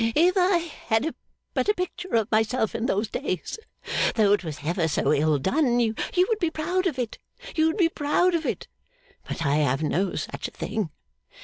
'If I had but a picture of myself in those days, though it was ever so ill done, you would be proud of it, you would be proud of it. But I have no such thing.